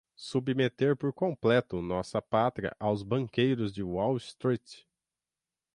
submeter por completo nossa Pátria aos banqueiros de Wall Street